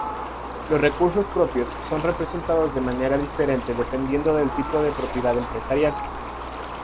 Los recursos propios son representados de manera diferente dependiendo del tipo de propiedad empresarial.